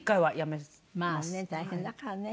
まあね大変だからね。